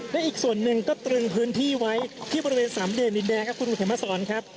และอีกส่วนหนึ่งก็ตรึงพื้นที่ไว้ที่บริเวณสามเหลี่ยดินแดงครับคุณอุเทมมาสอนครับ